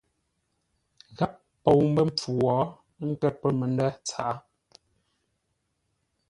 Gháp pou mbə́ mpfu wo, ə́ nkə̂r pə̂ məndə̂ tsaʼá.